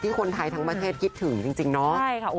คนไทยทั้งประเทศคิดถึงจริงเนาะ